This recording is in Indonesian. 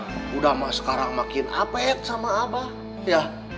sudah sekarang makin apet sama apa ya